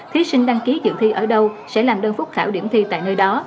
thí sinh đăng ký dự thi ở đâu sẽ làm đơn phúc khảo điểm thi tại nơi đó